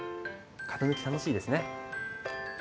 型抜き楽しいですね。